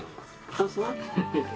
あそう？